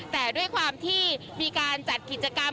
แต่ด้วยความที่มีการจัดกิจกรรม